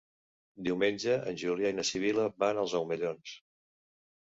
Diumenge en Julià i na Sibil·la van als Omellons.